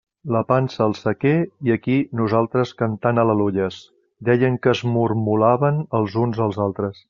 «La pansa al sequer i ací nosaltres cantant al·leluies!», deien que es mormolaven els uns als altres.